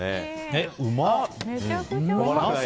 え、うまっ。